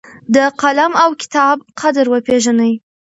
د قلم او کتاب قدر وپېژنئ.